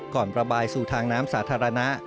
ระบายสู่ทางน้ำสาธารณะ